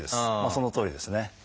そのとおりですね。